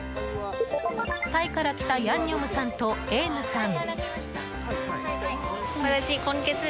タイから来たヤンニョムさんとエームさん。